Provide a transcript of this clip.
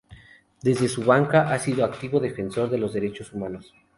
Desde su banca, ha sido un activo defensor de los Derechos Humanos.